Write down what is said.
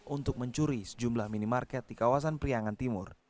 untuk mencuri sejumlah minimarket di kawasan priangan timur